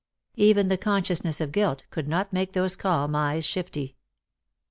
Even the consciousness of guilt could not make those calm eyes shifty.